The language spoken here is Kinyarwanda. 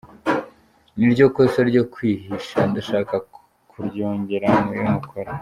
Niryo kosa ryo kwihisha ndashaka kuryongera mu yo mukora.